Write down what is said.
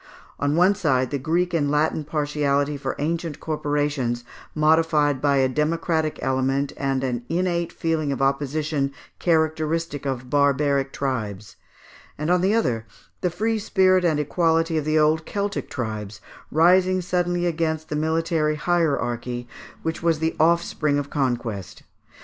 On one side, the Greek and Latin partiality for ancient corporations, modified by a democratic element, and an innate feeling of opposition characteristic of barbaric tribes; and on the other, the free spirit and equality of the old Celtic tribes rising suddenly against the military hierarchy, which was the offspring of conquest.